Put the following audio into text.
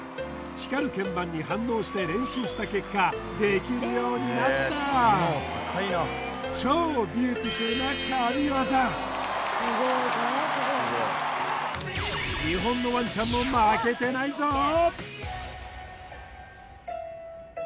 光る鍵盤に反応して練習した結果できるようになった超ビューティフルな神業日本のワンちゃんも負けてないぞー